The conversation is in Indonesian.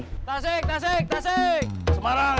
tasik tasik tasik